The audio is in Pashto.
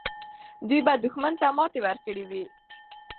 دوی به دښمن ته ماتې ورکړې وي.